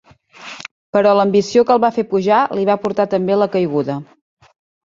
Però l'ambició que el va fer pujar li va portar també la caiguda.